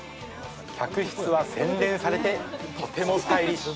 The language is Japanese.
客室は洗練されて、とてもスタイリッシュ。